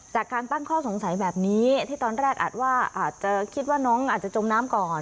จากการตั้งข้อสงสัยแบบนี้ที่ตอนแรกอาจว่าอาจจะคิดว่าน้องอาจจะจมน้ำก่อน